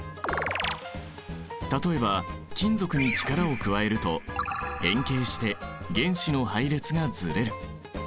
例えば金属に力を加えると変形して原子の配列がずれる。